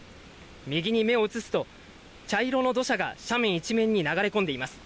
右に目を移すと茶色の土砂が斜面一面に流れ込んでいます。